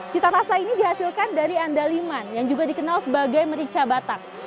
cita rasa ini dihasilkan dari andaliman yang juga dikenal sebagai merica batak